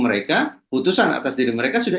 mereka putusan atas diri mereka sudah